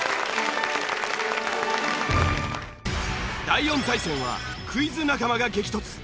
第４対戦はクイズ仲間が激突。